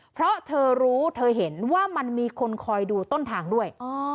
เพราะเธอรู้เธอเห็นว่ามันมีคนคอยดูต้นทางด้วย